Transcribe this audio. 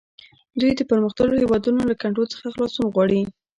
دوی د پرمختللو هیوادونو له کنټرول څخه خلاصون غواړي